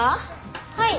はい。